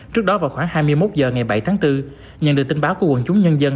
trước đó vào khoảng hai mươi một h ngày bảy tháng bốn nhận được tin báo của quần chúng nhân dân